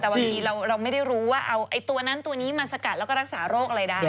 แต่บางทีเราไม่ได้รู้ว่าเอาตัวนั้นตัวนี้มาสกัดแล้วก็รักษาโรคอะไรได้